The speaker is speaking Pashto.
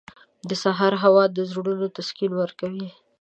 • د سهار هوا د زړونو تسکین ورکوي.